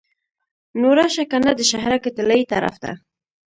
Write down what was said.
نو راشه کنه د شهرک طلایې طرف ته.